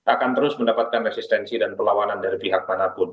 akan terus mendapatkan resistensi dan perlawanan dari pihak manapun